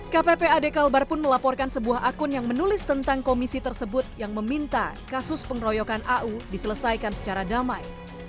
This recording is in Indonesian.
kppad kalbar pun melaporkan sebuah akun yang menulis tentang komisi tersebut yang meminta kasus pengeroyokan au diselesaikan secara damai